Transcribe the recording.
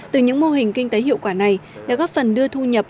từ những mô hình kinh tế hiệu quả này đã góp phần đưa thu nhập